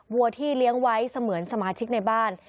วัวที่เลี้ยงไว้เสมือนสมาชิกในบ้าน